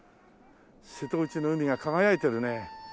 瀬戸内の海が輝いてるね。